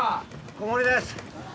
小森です